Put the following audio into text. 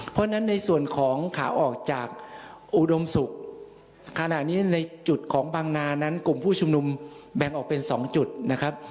เพราะฉะนั้นในส่วนของขาออกจากอุดมศุกร์ขณะนี้ในจุดของบางนานั้นกลุ่มผู้ชุมนุมแบ่งออกเป็น๒จุดนะครับ